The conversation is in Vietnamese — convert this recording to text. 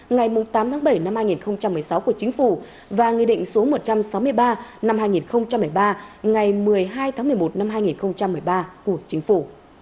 ngày tám tháng bảy năm hai nghìn một mươi sáu của chính phủ và nghị định số một trăm sáu mươi ba năm hai nghìn một mươi ba ngày một mươi hai tháng một mươi một năm hai nghìn một mươi ba của chính phủ